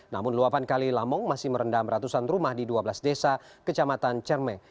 namun luapan kali lamong masih merendam ratusan rumah di dua belas desa kecamatan cerme